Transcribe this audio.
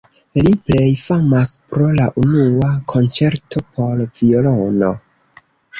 Li plej famas pro la unua konĉerto por violono.